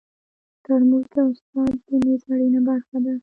ترموز د استاد د میز اړینه برخه ده.